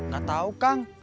gak tahu kang